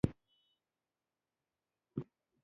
آیا د لغمان وریجې ښه کیفیت لري که د بغلان؟